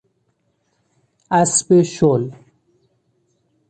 اسب شل